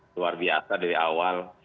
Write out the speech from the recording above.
luar biasa dari awal